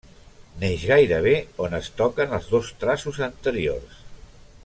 Neix gairebé on es toquen els dos traços anteriors.